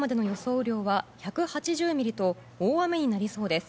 雨量は１８０ミリと大雨になりそうです。